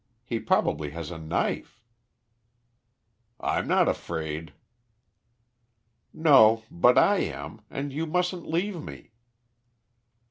He probably has a knife." "I'm not afraid." "No, but I am, and you mustn't leave me."